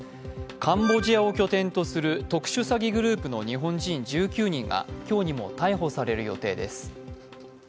カンボジアを拠点とする特殊詐欺グループの日本人１９人が今日にも逮捕される予定です。